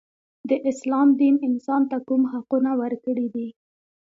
د اسلام دین انسان ته کوم حقونه ورکړي دي.